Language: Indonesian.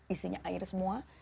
isinya air semua